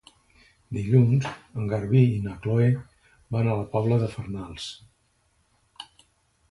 Dilluns en Garbí i na Chloé van a la Pobla de Farnals.